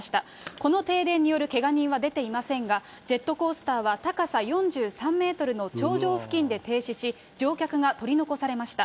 この停電によるけが人は出ていませんが、ジェットコースターは高さ４３メートルの頂上付近で停止し、乗客が取り残されました。